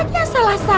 mungkin itu salah satu